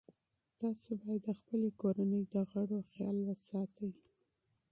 تاسو باید د خپلې کورنۍ د غړو خیال وساتئ.